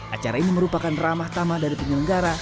acara ini merupakan ramah tamah dari penyelenggara